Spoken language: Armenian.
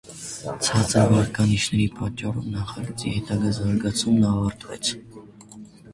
Ցածր վարկանիշների պատճառով նախագծի հետագա զարգացումն ավարտվեց։